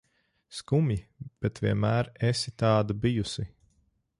Skumji, bet vienmēr esi tāda bijusi.